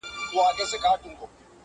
د مینې عدالت او عدم تشدد پیغام راوړی و